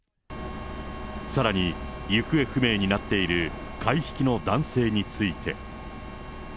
さらに、行方不明になっているかいひきの男性について。